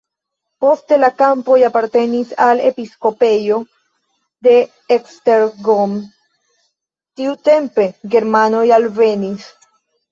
Poste la kampoj apartenis al episkopejo de Esztergom, tiutempe germanoj alvenis.